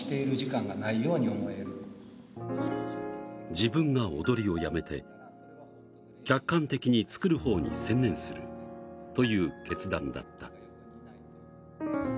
自分が踊りをやめて客観的に作るほうに専念するという決断だった。